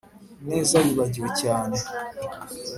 ineza yibagiwe cyane